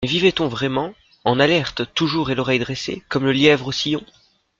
Mais vivait-on vraiment ? En alerte toujours et l'oreille dressée, comme le lièvre au sillon.